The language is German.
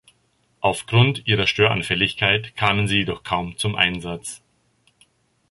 Aufgrund ihrer Störanfälligkeit kamen sie jedoch kaum zum Einsatz.